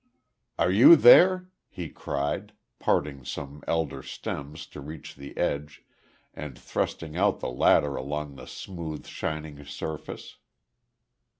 "Are you there?" he cried, parting some elder stems, to reach the edge, and thrusting out the ladder along the smooth, shining surface.